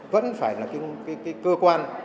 vẫn phải là cơ quan